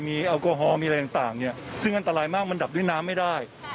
มีแอลกอฮอล์มีอะไรต่างเนี่ยซึ่งอันตรายมากมันดับด้วยน้ำไม่ได้